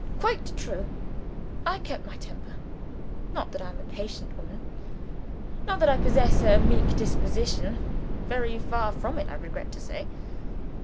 quite true!" I kept my temper. Not that I am a patient woman: not that I possess a meek disposition. Very far from it, I regret to say.